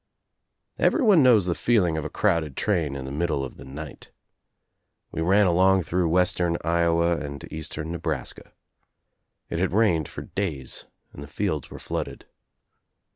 Everyone knows the feeling of a crowded train in the middle of the night. We ran along through western Iowa and eastern Nebraska. It had rained for days and the fields were flooded.